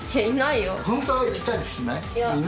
ホントはいたりしない？